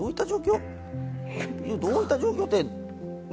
そういった状況って。